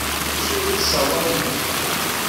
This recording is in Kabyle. D acu i d-tessewwayeḍ?